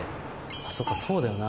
あ、そうか、そうだよな。